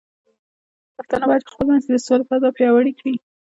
پښتانه بايد په خپل منځ کې د سولې فضاء پیاوړې کړي.